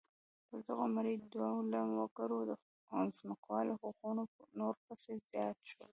پر دغو مري ډوله وګړو د ځمکوالو حقوق نور پسې زیات شول.